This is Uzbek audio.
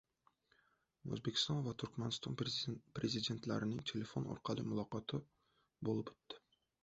O‘zbekiston va Turkmaniston Prezidentlarining telefon orqali muloqoti bo‘lib o‘tdi